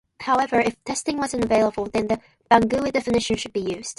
However, if testing was unavailable, then the Bangui definition should be used.